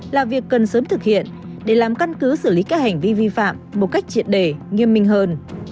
là việc cần sớm thực hiện để làm căn cứ xử lý các hành vi vi phạm một cách triệt đề nghiêm minh hơn